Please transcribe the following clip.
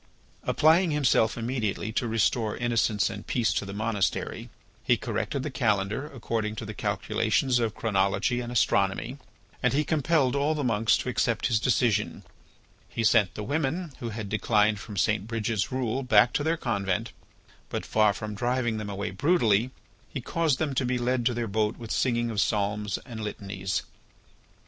Applying himself immediately to restore innocence and peace to the monastery, he corrected the calendar according to the calculations of chronology and astronomy and he compelled all the monks to accept his decision; he sent the women who had declined from St. Bridget's rule back to their convent; but far from driving them away brutally, he caused them to be led to their boat with singing of psalms and litanies.